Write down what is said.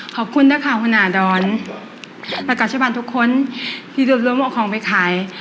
ขอบคุณนะคะหุนาดรและกับชาวบ้านทุกคนที่รวมรวมออกของไปขาย